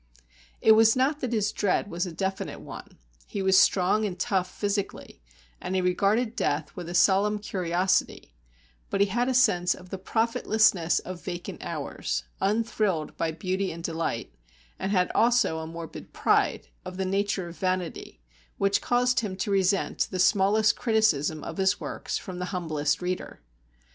It was not that his dread was a definite one; he was strong and tough physically, and he regarded death with a solemn curiosity; but he had a sense of the profitlessness of vacant hours, unthrilled by beauty and delight, and had also a morbid pride, of the nature of vanity, which caused him to resent the smallest criticism of his works from the humblest reader.